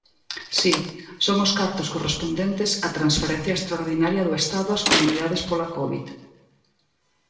Si, son os cartos correspondentes á transferencia extraordinaria do Estado ás Comunidades pola covid.